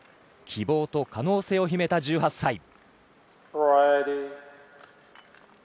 希望と可能性を秘めた１８歳。